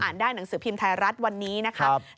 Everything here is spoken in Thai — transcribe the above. ได้หนังสือพิมพ์ไทยรัฐวันนี้นะครับ